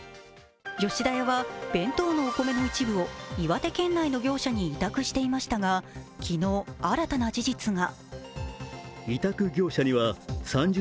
吉田屋は弁当のお米の一部を岩手県内の業者に委託していましたが昨日、新たな事実が。